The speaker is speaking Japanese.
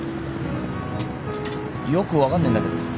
よく分かんねえんだけど。